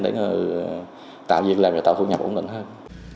để tạo việc làm và tạo thu nhập ổn định hơn